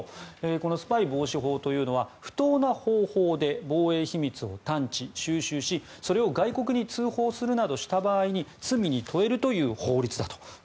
このスパイ防止法は不当な方法で防衛秘密を探知・収集しそれを外国に通報するなどした場合に罪に問えるという法律です。